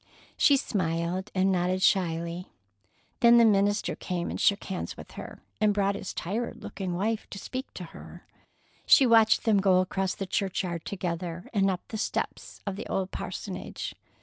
She smiled and nodded shyly. Then the minister came and shook hands with her, and brought his tired looking wife to speak to her. She watched them go across the churchyard together, and up the steps of the old parsonage.